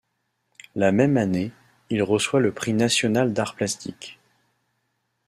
La même année, il reçoit le Prix national d'arts plastiques.